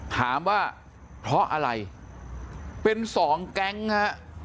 ถามว่าเพราะอะไรเป็นสองแก๊งฮะ